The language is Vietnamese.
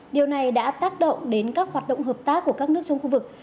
điều này đã tác động đến các hoạt động hợp tác của các nước trong khu vực